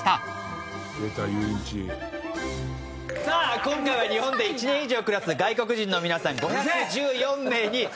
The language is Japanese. さあ今回は日本で１年以上暮らす外国人の皆さん５１４名に。